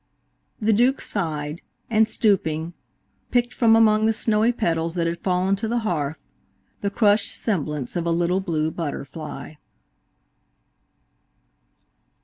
The Duke sighed, and stooping, picked from among the snowy petals that had fallen to the hearth, the crushed semblance of a little blue butterfly.